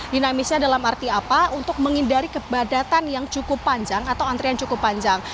dinamisnya dalam arti apa untuk menghindari kebadatan yang cukup panjang atau antrian cukup panjang